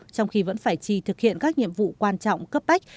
trong khi vẫn phải trì thực hiện các nhiệm vụ quan trọng cấp bách